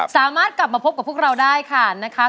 สามารถกลับมาพบกับพวกเราได้ค่ะนะคะ